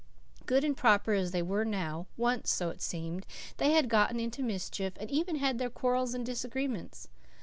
Good and proper as they were now, once, so it seemed, they had gotten into mischief and even had their quarrels and disagreements.